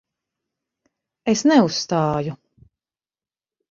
Es neuzstāju.